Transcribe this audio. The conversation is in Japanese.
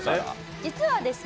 実はですね